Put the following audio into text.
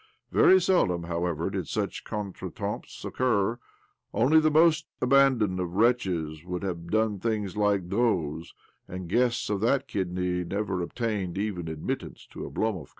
Very seldom, how ever, did such contretemps occur : only the most abandoned of wretches would have done things like those— and guests of that kidney, never obtained even admittance to Oblomovka.